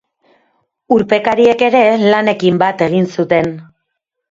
Urpekariek ere lanekin bat egin zutenr.